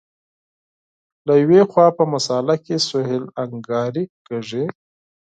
له یوې خوا په مسأله کې سهل انګاري کېږي.